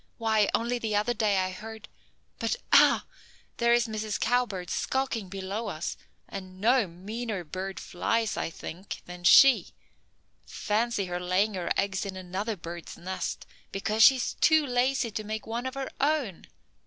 Why, only the other day I heard but ah there is Mrs. Cowbird skulking below us, and no meaner bird flies, I think, than she. Fancy her laying her eggs in another bird's nest, because she is too lazy to make one of her own!